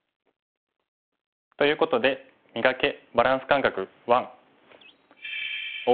ということで「磨け！バランス感覚１」。